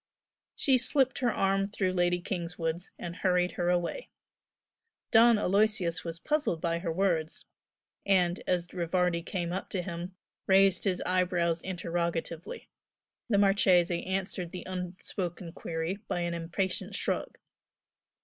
She slipped her arm through Lady Kingswood's and hurried her away. Don Aloysius was puzzled by her words, and, as Rivardi came up to him raised his eyebrows interrogatively. The Marchese answered the unspoken query by an impatient shrug.